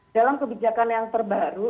dalam kebijakan yang terbaru